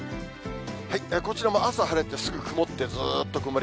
こちらも朝晴れて、すぐ曇って、ずーっと曇り。